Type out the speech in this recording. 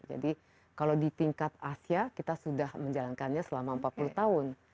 jadi kalau di tingkat asia kita sudah menjalankannya selama empat puluh tahun